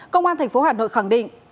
công an thành phố hà nội khẳng định